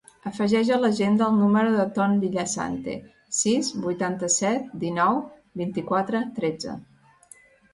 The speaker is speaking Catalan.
Afegeix a l'agenda el número del Ton Villasante: sis, vuitanta-set, dinou, vint-i-quatre, tretze.